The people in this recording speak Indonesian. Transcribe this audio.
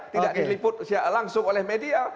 tidak diliput langsung oleh media